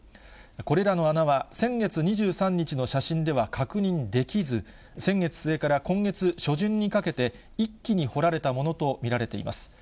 これらの穴は、先月２３日の写真では確認できず、先月末から今月初旬にかけて、一気に掘られたものと見られています。